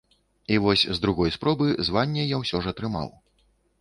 І вось з другой спробы званне я ўсё ж атрымаў.